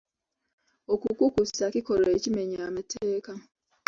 Okukukusa kikolwa ekimenya mateeka.